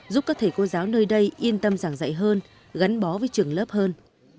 giúp các thầy cô giáo nơi đây yên tâm giảng dạy hơn gắn bó với trường lớp hơn